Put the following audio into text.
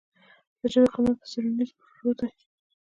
د ژبې خدمت په څېړنیزو پروژو دی.